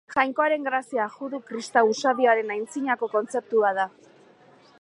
Jainkoaren Grazia judu-kristau usadioaren antzinako kontzeptu bat da.